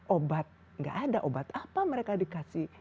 obat nggak ada obat apa mereka dikasih